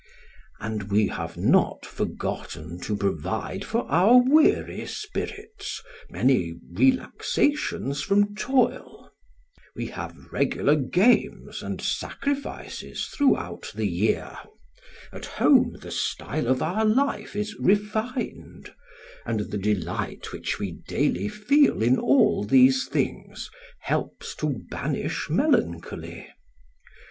"And we have not forgotten to provide for our weary spirits many relaxations from toil; we have regular games and sacrifices throughout the year; at home the style of our life is refined; and the delight which we daily feel in all these things helps to banish melancholy.